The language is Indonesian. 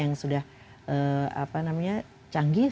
yang sudah canggih